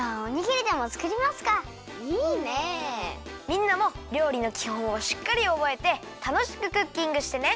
みんなも料理のきほんをしっかりおぼえてたのしくクッキングしてね！